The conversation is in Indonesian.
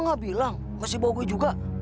lu gak bilang masih bawa gue juga